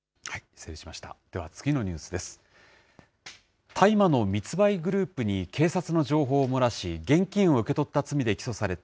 失礼しました。